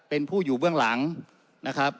เป็นผู้อยู่เบื้องหลังนะครับ